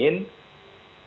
yang harus dikonsumsi